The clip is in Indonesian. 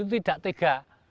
itu tidak tiga